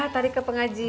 iya tadi ke pengajian